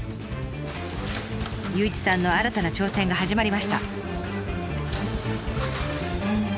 祐一さんの新たな挑戦が始まりました。